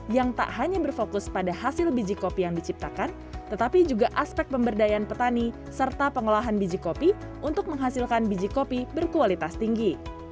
yang tak hanya berfokus pada hasil biji kopi yang diciptakan tetapi juga aspek pemberdayaan petani serta pengolahan biji kopi untuk menghasilkan biji kopi berkualitas tinggi